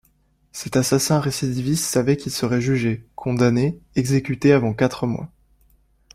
Cet assassin récidiviste savait qu’il serait jugé, condamné, exécuté avant quatre mois.